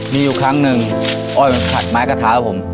มีอยู่ครั้งหนึ่งอ้อยขัดไม้กระทะแล้วผม